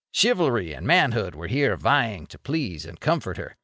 Chivalry and manhood were here vying to please and comfort her.